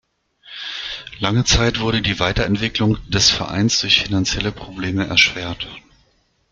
Lange Zeit wurde die Weiterentwicklung des Vereins durch finanzielle Probleme erschwert.